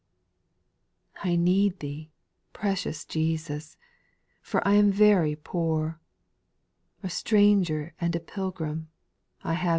: 2. I need Thee, precious Jesus ! for I am very poor, A stranger and a pi\gii\ii,\ V^^e.